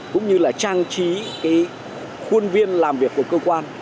cũng như là trang trí cái khuôn viên làm việc của cơ quan